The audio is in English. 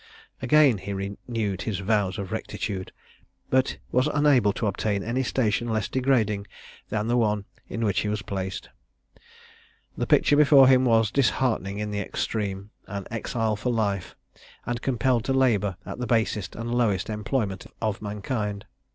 Again he renewed his vows of rectitude, but was unable to obtain any station less degrading than the one in which he was placed. The picture before him was disheartening in the extreme an exile for life and compelled to labour at the basest and lowest employment of mankind.